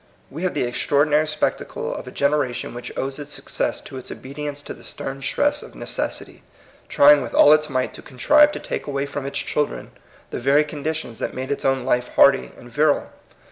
We have the extraordinaiy spectacle of a genera tion which owes its success to its obedi ence to the stem stress of necessity, trying with all its might to contrive to take away from its children the very conditions that made its own life hardy and virile.